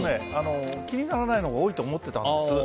気にならないほうが多いと思ってたんです。